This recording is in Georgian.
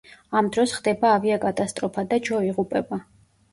ამ დროს ხდება ავიაკატასტროფა და ჯო იღუპება.